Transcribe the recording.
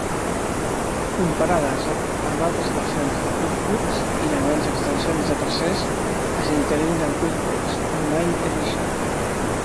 Comparades amb altres versions de QuickBooks, hi ha menys extensions de tercers que s'integrin amb QuickBooks Online Edition.